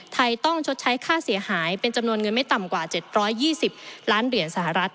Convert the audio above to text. ไทยต้องชดใช้ค่าเสียหายเป็นจำนวนเงินไม่ต่ำกว่า๗๒๐ล้านเหรียญสหรัฐ